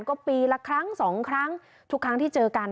ก็ปีละครั้งสองครั้งทุกครั้งที่เจอกัน